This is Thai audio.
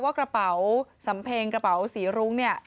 ว่ากระเป๋าสัมเพ็งกระเป๋าสีรุ้ง